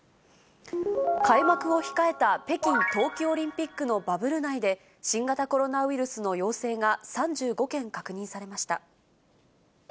開幕を控えた北京冬季オリンピックのバブル内で、新型コロナウイルスの陽性が３５件確認されました。